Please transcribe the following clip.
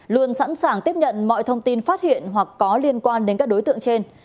luôn sẵn sàng tiếp nhận mọi thông tin phát hiện hoặc có liên quan đến các đối tượng trên